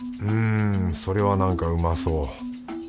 うんそれはなんかうまそう。